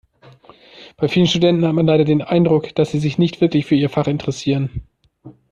Bei vielen Studenten hat man leider den Eindruck, dass sie sich nicht wirklich für ihr Fach interessieren.